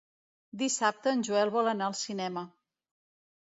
Dissabte en Joel vol anar al cinema.